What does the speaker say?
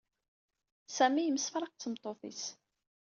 Sami yemsefraq d tmeṭṭut-is.